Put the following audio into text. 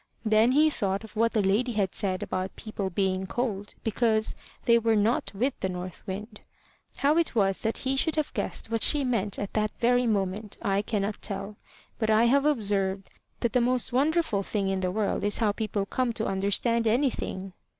Then he thought of what the lady had said about people being cold because they were not with the North Wind. How it was that he should have guessed what she meant at that very moment I cannot tell, but I have observed that the most wonderful thing in the world is how people come to understand anything.